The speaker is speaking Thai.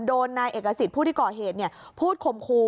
โดนนายเอกสิตผู้ที่เกาะเหตุพูดขมครู